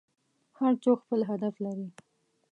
هر څوک خپل هدف لري.